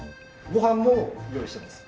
ご飯も用意してます。